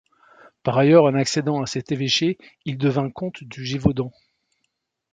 Par ailleurs, en accédant à cet évêché, il devint comte du Gévaudan.